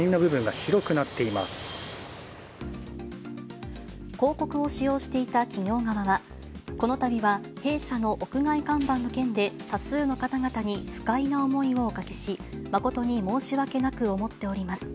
広告を使用していた企業側は、このたびは弊社の屋外看板の件で、多数の方々に不快な思いをおかけし、誠に申し訳なく思っております。